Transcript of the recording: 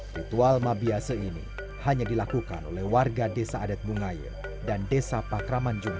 ritual mabiase ini hanya dilakukan oleh warga desa adat bungaya dan desa pakramanjung